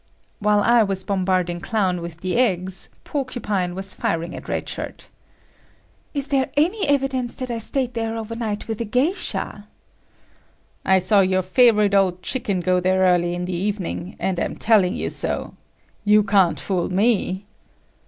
While I was bombarding Clown with the eggs, Porcupine was firing at Red[S] Shirt. "Is there any evidence that I stayed there over night with a geisha?" "I saw your favorite old chicken go there early in the evening, and am telling you so. You can't fool me!"